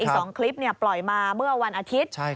อีก๒คลิปปล่อยมาเมื่อวันอาทิตย์